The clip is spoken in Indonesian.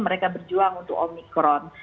mereka berjuang untuk omikron